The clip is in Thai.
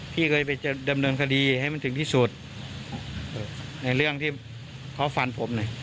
พี่เคยไปดำเนินคดีให้มันถึงที่สุดในเรื่องที่เขาฟันผมเนี่ย